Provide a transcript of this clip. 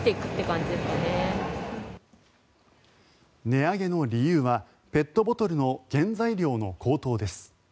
値上げの理由はペットボトルの原材料の高騰です。